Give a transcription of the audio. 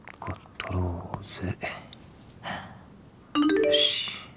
よし。